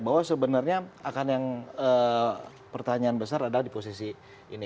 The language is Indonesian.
bahwa sebenarnya akan yang pertanyaan besar adalah di posisi ini